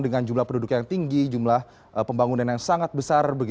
dengan jumlah penduduk yang tinggi jumlah pembangunan yang sangat besar